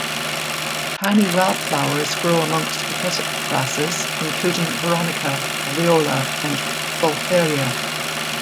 Tiny wildflowers grow amongst the tussock grasses including "Veronica", "Viola" and "Gaultheria".